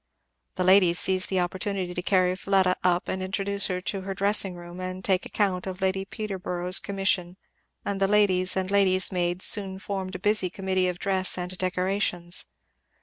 The ladies seized the opportunity to carry Fleda up and introduce her to her dressing room and take account of Lady Peterborough's commission, and ladies and ladies' maids soon formed a busy committee of dress and decorations.